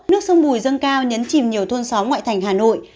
nước sông bùi dâng cao nhấn chìm nhiều thôn xóm ngoại thành hà nội